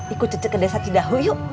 ikut cucu ke desa cidaho yuk